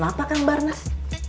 kenapa kang barnas